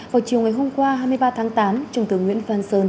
vào chiều ngày hôm qua hai mươi ba tháng tám trung tướng nguyễn văn sơn